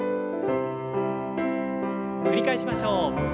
繰り返しましょう。